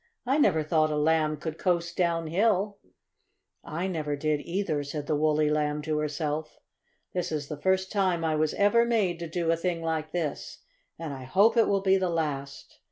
I never thought a Lamb could coast downhill!" "I never did, either," said the woolly Lamb to herself. "This is the first time I was ever made to do a thing like this, and I hope it will be the last!